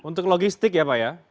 untuk logistik ya pak ya